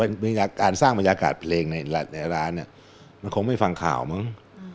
ปัญญากาศใหม่งานมาร่างมียาการสร้างเพลงในร้านมันคงไม่ฟังข่าวมั้ง